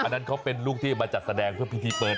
อันนั้นเขาเป็นลูกที่มาจัดแสดงเพื่อพิธีเปิด